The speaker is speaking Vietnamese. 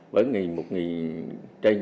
với một trên chín bảy trăm linh